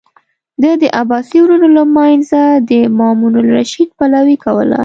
ده د عباسي ورونو له منځه د مامون الرشید پلوي کوله.